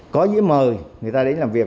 có giới mời người ta đến làm việc